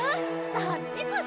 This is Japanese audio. そっちこそ！